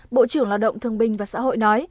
bộ trưởng lao động thương binh và xã hội nói